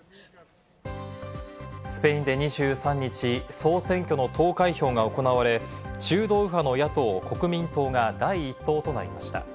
スペインで２３日、総選挙の投開票が行われ、中道右派の野党・国民党が第１党となりました。